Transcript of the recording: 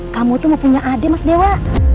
kamu tuh mau punya adik mas dewa